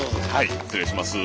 失礼します。